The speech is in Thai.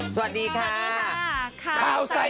สวัสดีค่ะ